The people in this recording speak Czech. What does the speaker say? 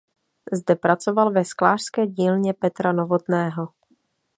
Zde pracoval ve sklářské dílně Petra Novotného.